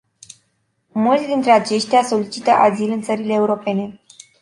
Mulți dintre aceștia solicită azil în țările europene.